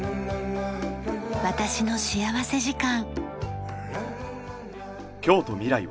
『私の幸福時間』。